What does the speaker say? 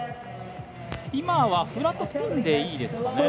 今はフラットスピンでいいですか。